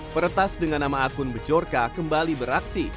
peretas dengan nama akun bejorka kembali beraksi